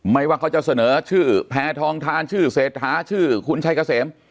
ว่าเขาจะเสนอชื่อแพทองทานชื่อเศรษฐาชื่อคุณชัยเกษม